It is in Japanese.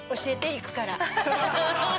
行くから。